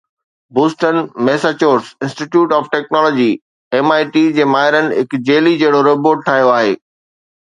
Boston Massachusetts Institute of Technology MIT جي ماهرن هڪ جيلي جهڙو روبوٽ ٺاهيو آهي